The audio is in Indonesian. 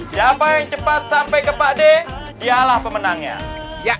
siapa yang cepat sampai ke pak d dialah pemenangnya